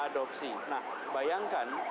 adopsi nah bayangkan